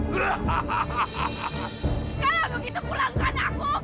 kalau begitu pulangkan aku